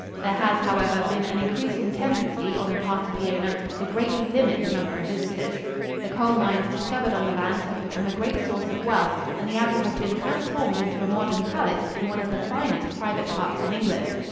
There has, however, been an increasing tendency on the part of the owner to greatly limit the number of visitors. The coal mines discovered on the lands have become a great source of wealth and the abbey has been transformed into a modern palace in one of the finest private parks in England.